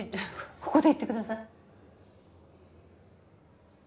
ここで言ってください。